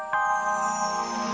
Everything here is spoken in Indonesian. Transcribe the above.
apakah kalian eine sama aku ya